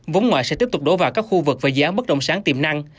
vốn ngoại sẽ tiếp tục đổ vào các khu vực và dự án bất động sản tiềm năng